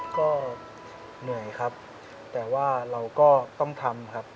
ก็เหนื่อยครับแต่ว่าเราก็ต้องทำครับ